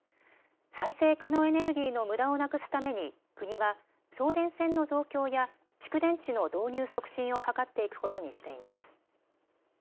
再生可能エネルギーのむだをなくすために国は送電線の増強や蓄電池の導入促進を図っていくことにしています。